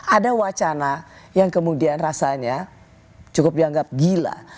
ada wacana yang kemudian rasanya cukup dianggap gila